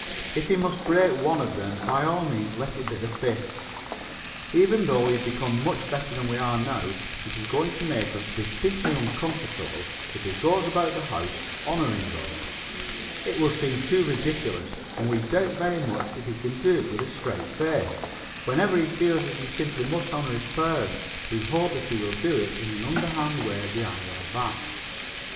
If he must break one of them, by all means let it be the Fifth. Even though we become much better than we are now, it is going to make us distinctly uncomfortable if he goes about the house honoring us. It will seem too ridiculous, and we doubt very much if he can do it with a straight face. Whenever he feels that he simply must honor his parents we hope that he will do it in an underhand way behind our backs.